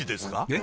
え？